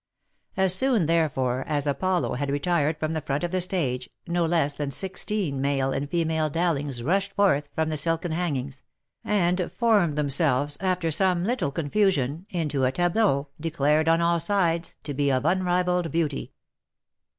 As soon, therefore, as Apollo had retired from the front of the stage, no less than sixteen male and female Dowlings rushed forth from the silken hangings, and formed themselves, after some little confusion, into a tableau, declared, on all sides, to be of unrivalled beauty.